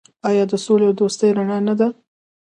آیا د سولې او دوستۍ رڼا نه ده؟